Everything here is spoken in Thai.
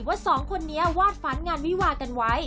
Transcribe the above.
สองคนนี้วาดฝันงานวิวากันไว้